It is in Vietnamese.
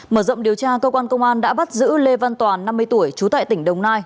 mở rộng điều tra cơ quan công an đã bắt giữ lê văn toàn năm mươi tuổi trú tại tỉnh đồng nai